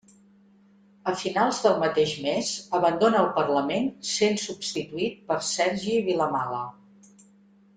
A finals del mateix mes, abandona el Parlament sent substituït per Sergi Vilamala.